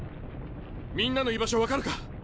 みんなの居場所分かるか？